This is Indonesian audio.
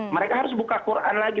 mereka harus buka quran lagi